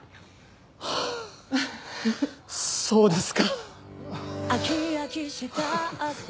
はあそうですか！